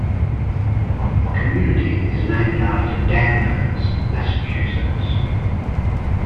The community is named after Danvers, Massachusetts.